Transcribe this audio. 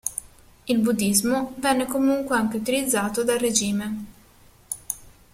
Il buddhismo venne comunque anche utilizzato dal regime.